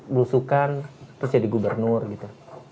belusukan terus jadi gubernur gitu